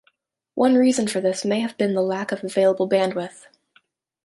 One reason for this may have been the lack of available bandwidth.